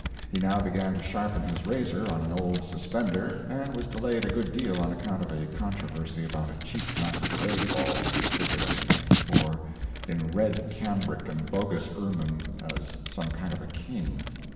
He now began to sharpen his razor on an old suspender, and was delayed a good deal on account of a controversy about a cheap masquerade ball he had figured at the night before, in red cambric and bogus ermine, as some kind of a king.